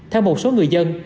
theo một số người dân